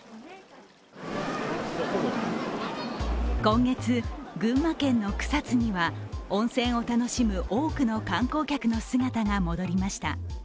今月、群馬県の草津には温泉を楽しむ多くの観光客の姿が戻りました。